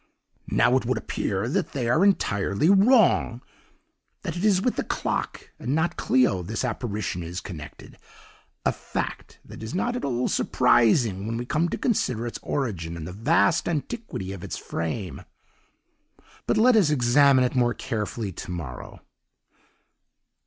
"'Now it would appear that they are entirely wrong that it is with the clock and not Kleogh this apparition is connected a fact that is not at all surprising when we come to consider its origin and the vast antiquity of its frame. "'But let us examine it more carefully to morrow.